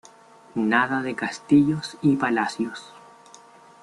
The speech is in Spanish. Nada de castillos y palacios.